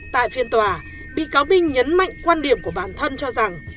tại phiên tòa bị cáo minh nhấn mạnh quan điểm của bản thân cho rằng